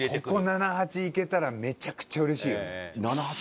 ここ７８いけたらめちゃくちゃ嬉しいよね。